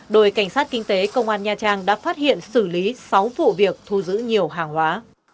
đội cảnh sát kinh tế công an nha trang đã phát hiện xử lý sáu vụ việc thu giữ nhiều hàng hóa